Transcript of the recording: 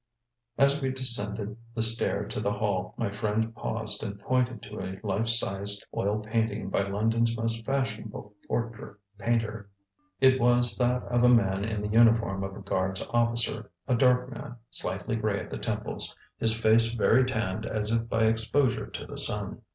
ŌĆØ As we descended the stair to the hall my friend paused and pointed to a life sized oil painting by London's most fashionable portrait painter. It was that of a man in the uniform of a Guards officer, a dark man, slightly gray at the temples, his face very tanned as if by exposure to the sun.